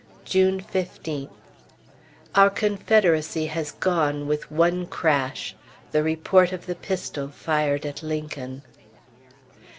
June 15th. Our Confederacy has gone with one crash the report of the pistol fired at Lincoln.